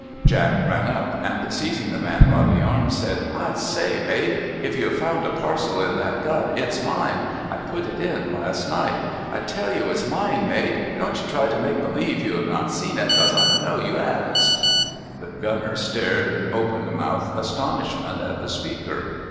Jack ran up, and, seizing the man by the arm, said: "I say, mate, if you have found a parcel in that gun, it's mine! I put it in last night. I tell you it's mine, mate! Don't you try to make believe you have not seen it, 'cos I know you has." The gunner stared in open mouthed astonishment at the speaker.